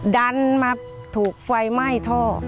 ดันมาถูกไฟไหม้ท่อ